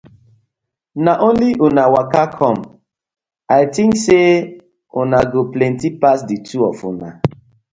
Na only una waka com? I tink say una go plenty pass di two of una.